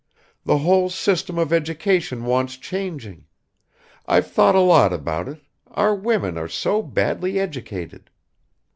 The whole system of education wants changing. I've thought a lot about it; our women are so badly educated."